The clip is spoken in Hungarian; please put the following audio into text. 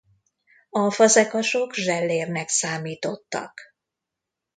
A fazekasok zsellérnek számítottak.